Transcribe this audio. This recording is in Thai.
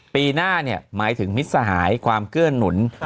ปีหน้าหมายถึงมิตรสหายความเกื้อนหนุน